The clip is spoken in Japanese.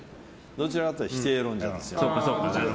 どちらかというと否定論者ですよ。